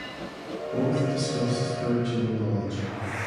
Both discussed spiritual knowledge.